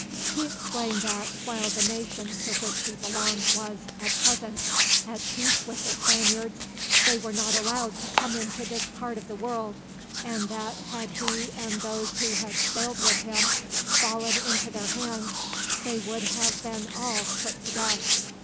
He explained that, while the nation to which he belonged was, at present, at peace with the Spaniards, they were not allowed to come into this part of the world; and that, had he and those who had sailed with him fallen into their hands, they would have been all put to death.